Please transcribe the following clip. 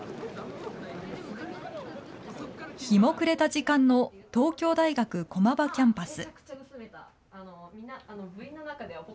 日も暮れた時間の東京大学駒場キャンパス。